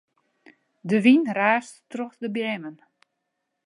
De wyn raast troch de beammen.